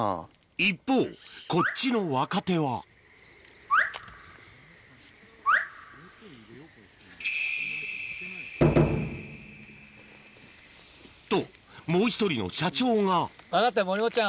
一方こっちの若手はともう１人の社長があなた。